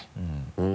うん。